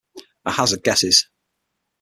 I hazard guesses.